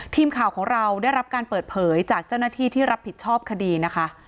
ทีมข่าวของเราได้รับการเปิดเผยจากเจ้าหน้าที่ที่รับผิดชอบคดีนะคะ